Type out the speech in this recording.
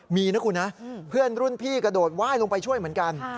มีนะคุณนะเพื่อนรุ่นพี่กระโดดไหว้ลงไปช่วยเหมือนกัน